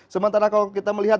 sementara kalau kita melihat